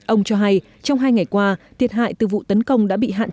ông cho hay trong hai ngày qua thiệt hại từ vụ tấn công đã bị ủng hộ